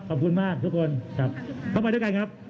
ขอบคุณมากทุกคนครับเข้าไปด้วยกันครับ